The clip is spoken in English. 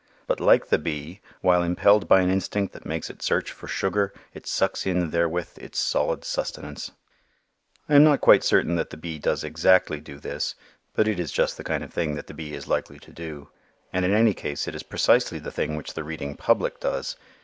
But like the bee, while impelled by an instinct that makes it search for sugar, it sucks in therewith its solid sustenance. I am not quite certain that the bee does exactly do this; but it is just the kind of thing that the bee is likely to do. And in any case it is precisely the thing which the reading public does.